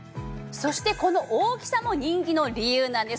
そしてこの大きさも人気の理由なんです。